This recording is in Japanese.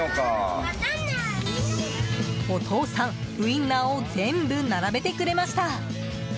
お父さん、ウィンナーを全部並べてくれました。